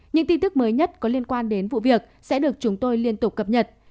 những tin tức mới nhất có liên quan đến vụ việc sẽ được chúng tôi liên tục cập nhật